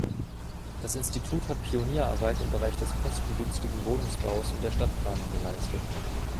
Das Institut hat Pionierarbeit im Bereich des kostengünstigen Wohnungsbaus und der Stadtplanung geleistet.